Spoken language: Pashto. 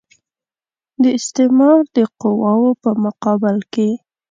د استعمار د قواوو په مقابل کې.